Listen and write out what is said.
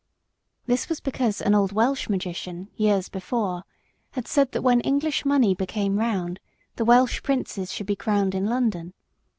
This was because an old Welsh magician, years before, had said that when English money became round, the Welsh princes should be crowned in London.